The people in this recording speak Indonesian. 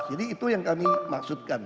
jadi itu yang kami maksudkan